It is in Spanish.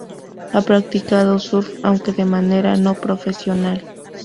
Ha practicado surf aunque de manera no profesional.